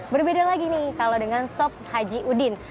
berbeda lagi nih kalau dengan sop haji udin